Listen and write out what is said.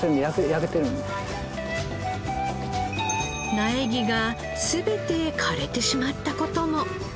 苗木が全て枯れてしまった事も。